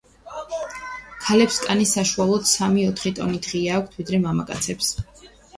ქალებს კანი, საშუალოდ, სამი-ოთხი ტონით ღია ფერი აქვთ, ვიდრე მამაკაცებს.